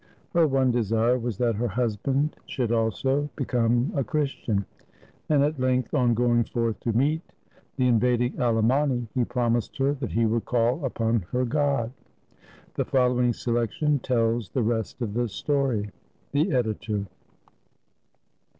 Her one desire was that her husband should also become a Christian, and at length, on going forth to meet the invading Alemanni, he promised her that he would call upon her God. The following selection tells the rest of the story. The Editor.